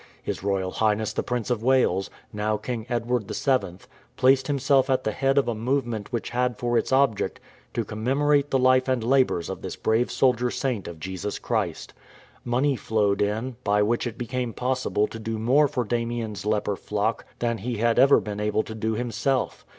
His Royal Highness the Prince of Wales — now King Edward VII — placed himself at the head of a movement which had for its object to com memorate the life and labours of this brave soldier saint of Jesus Christ. Money flowed in, by which it became possible to do much more for Damien's leper flock than he had ever been able to do himself.